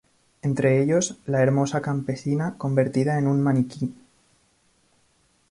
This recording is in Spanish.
Entre ellos, la hermosa campesina convertida en un maniquí.